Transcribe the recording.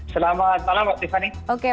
selamat malam mbak tiffany